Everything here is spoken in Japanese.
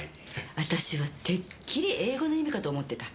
私はてっきり英語の意味かと思ってた。